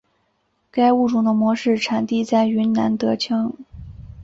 该物种的模式产地在云南德钦。